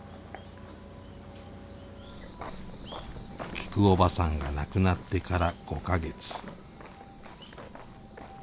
きくおばさんが亡くなってから５か月。